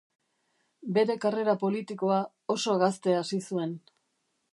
Bere karrera politikoa, oso gazte hasi zuen.